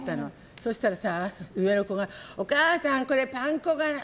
そうしたら、上の子がお母さん、これパン粉がない！